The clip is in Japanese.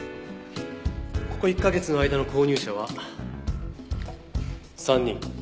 ここ１カ月の間の購入者は３人。